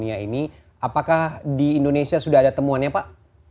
apakah di indonesia sudah ada temuan ya pak